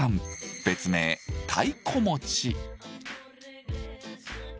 別名「太鼓持ち」。